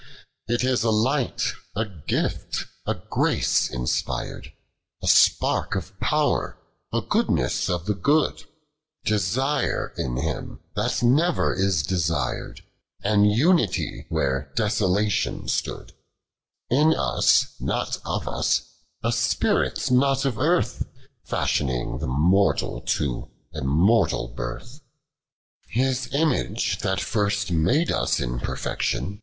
» Kcina. G. It is n light, a gilt, a grucc in^ir'd, A spark of pow'r, n gootlut'sa of the Good ; Dtairu in him, tliat never in Ucsir'd ; An unity, where desolufion stood ; in us not of us, a apint not of earth, Fushioning* the mortal to immortid birth. His imugo that first made us in perfection.